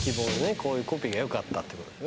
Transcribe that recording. こういうコピーが良かったってことだよ